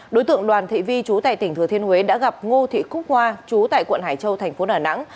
đối tượng đoàn thị vi chú tại tp thừa thiên huế đã gặp ngô thị khúc hoa chú tại quận hải châu tp đà nẵng